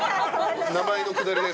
名前のくだりで。